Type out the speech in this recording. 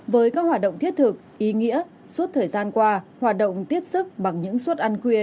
với các hoạt động thiết thực ý nghĩa suốt thời gian qua hoạt động tiếp sức bằng những suất ăn khuya